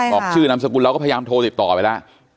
บอกชื่อนามสกุลเราก็พยายามโทรติดต่อไปแล้ว